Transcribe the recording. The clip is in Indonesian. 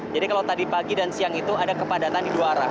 jadi kalau tadi pagi dan siang itu ada kepadatan di dua arah